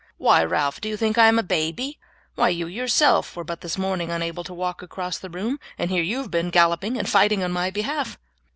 Why, Ralph, do you think that I am a baby? Why, you yourself were but this morning unable to walk across the room, and here you have been galloping and fighting on my behalf."